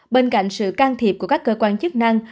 bên cạnh sự can thiệp của các cơ quan chức năng